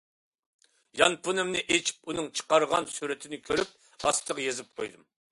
يانفونۇمنى ئېچىپ ئۇنىڭ چىقارغان سۈرىتىنى كۆرۈپ، ئاستىغا يېزىپ قويدۇم.